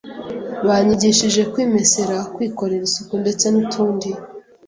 banyigishije kwimesera , kwikorera isuku ndetse n’utund.”